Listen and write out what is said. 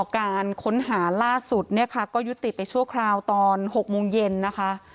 การค้นหาล่าสุดเนี่ยค่ะก็ยุติไปชั่วคราวตอน๖โมงเย็นนะคะ